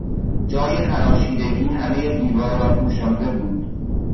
جای خراشیدگی همهی دیوار را پوشانده بود.